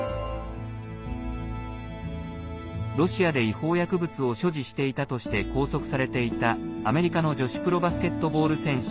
ロシアで違法薬物を所持していたとして拘束されていた、アメリカの女子プロバスケットボール選手